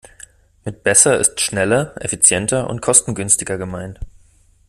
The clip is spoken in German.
Mit besser ist schneller, effizienter und kostengünstiger gemeint.